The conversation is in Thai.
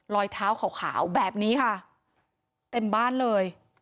รอยเท้าขาวแบบนี้ค่ะเต็มบ้านเลย